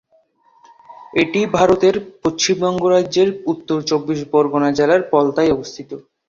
এটি ভারতের পশ্চিমবঙ্গ রাজ্যের উত্তর চব্বিশ পরগণা জেলার পলতায় অবস্থিত।